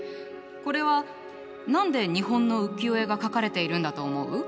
これは何で日本の浮世絵が描かれているんだと思う？